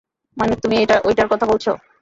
মানে তুমি ঐটার কথা বলছ?